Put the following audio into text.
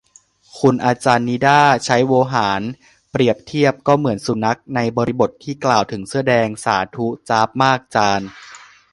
คุณอาจารย์นิด้า ใช้โวหารเปรียบเทียบ "ก็เหมือนสุนัข" ในบริบทที่กล่าวถึงเสื้อแดง สาธุ จ๊าบมากจารย์